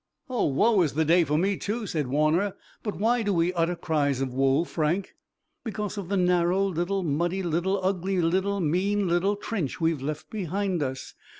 "O, woe is the day for me, too!" said Warner, "but why do we utter cries of woe, Frank?" "Because of the narrow, little, muddy little, ugly little, mean little trench we've left behind us!